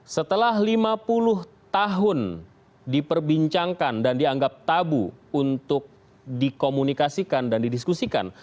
setelah lima puluh tahun diperbincangkan dan dianggap tabu untuk dikomunikasikan dan didiskusikan